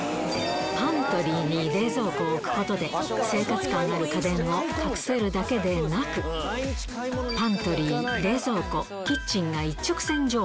パントリーに冷蔵庫を置くことで、生活感がある家電を隠せるだけでなく、パントリー、冷蔵庫、キッチンが一直線上。